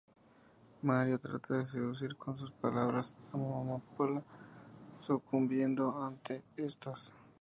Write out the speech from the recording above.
Mario trata de seducir con sus palabras a Amapola, sucumbiendo ante estas.